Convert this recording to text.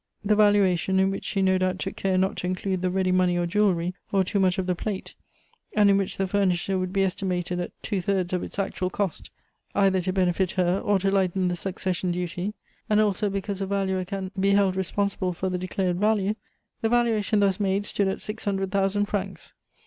The valuation, in which she no doubt took care not to include the ready money or jewelry, or too much of the plate, and in which the furniture would be estimated at two thirds of its actual cost, either to benefit her, or to lighten the succession duty, and also because a valuer can be held responsible for the declared value the valuation thus made stood at six hundred thousand francs.